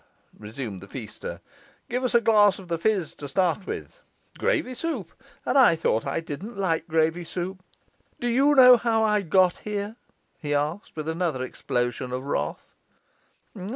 resumed the feaster, 'give us a glass of the fizz to start with. Gravy soup! And I thought I didn't like gravy soup! Do you know how I got here?' he asked, with another explosion of wrath.